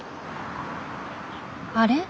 あれ？